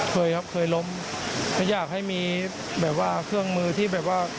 เคยครับเคยล้มไม่อยากให้มีแบบว่าเครื่องมือที่แบบว่า